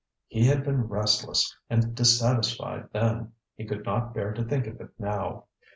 He had been restless and dissatisfied then; he could not bear to think of it, now.